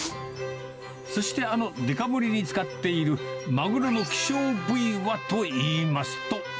そして、あのデカ盛りに使っているマグロの希少部位はといいますと。